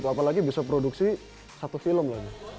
apalagi bisa produksi satu film lagi